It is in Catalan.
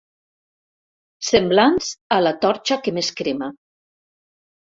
Semblants a la torxa que més crema.